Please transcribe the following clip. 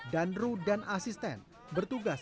danru dan asisten bertugas